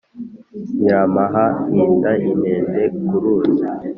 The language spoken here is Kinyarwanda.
Nyiramaha hinda-Imende ku ruzi.